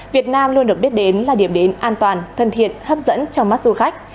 việt nam luôn được biết đến là điểm đến an toàn thân thiện hấp dẫn trong mắt du khách